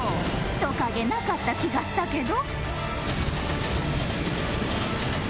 人影なかった気がしたけど。